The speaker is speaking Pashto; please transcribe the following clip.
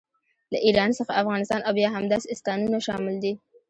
له ایران څخه افغانستان او بیا همداسې ستانونه شامل دي.